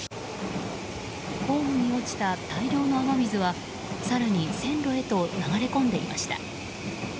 ホームに落ちた大量の雨水は更に線路へと流れ込んでいました。